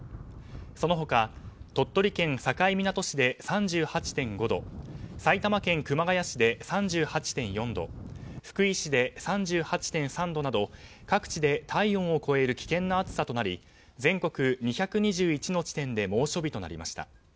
その他、鳥取県境港市で３８．５度埼玉県熊谷市で３８．４度福井市で３８．３度など、各地で体温を超える危険な暑さとなり全国２２１の地点で猛暑日となりました。